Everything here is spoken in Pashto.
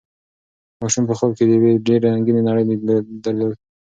ماشوم په خوب کې د یوې ډېرې رنګینې نړۍ لید درلود.